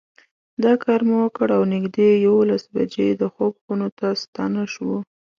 دا کار مو وکړ او نږدې یوولس بجې د خوب خونو ته ستانه شوو.